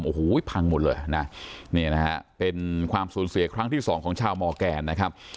โอ้โหพังหมดเลยนะนี่นะฮะเป็นความสูญเสียครั้งที่สองของชาวมอร์แกนนะครับ